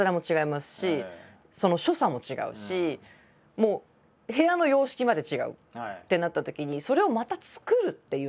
もう部屋の様式まで違うってなったときにそれをまた作るっていうのが。